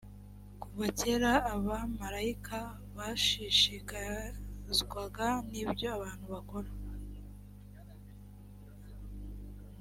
kuva kera abamarayika bashishikazwaga n’ibyo abantu bakora